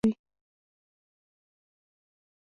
زده کړه د فکر ځواک زیاتوي.